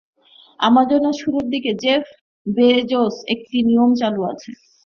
আমাজনের শুরুর দিকে Jeff Bezos একটি নিয়ম চালু করেন।